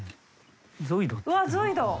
うわぁゾイド。